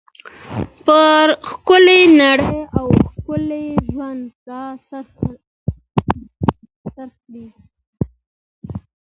پر ښکلى نړۍ او ښکلي ژوند را څرخي.